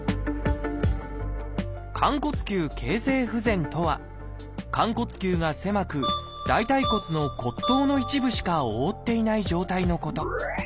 「寛骨臼形成不全」とは寛骨臼が狭く大腿骨の骨頭の一部しか覆っていない状態のこと。